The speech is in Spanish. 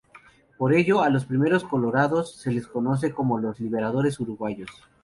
Por ello, a los primeros colorados se los conoce como los "liberales uruguayos".